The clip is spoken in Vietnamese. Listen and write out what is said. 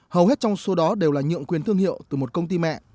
hầu hết trong số đó đều là nhượng quyền thương hiệu từ một công ty mẹ